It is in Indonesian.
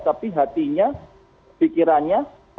tapi hatinya pikirannya petaknya